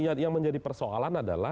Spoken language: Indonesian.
ya yang menjadi persoalan adalah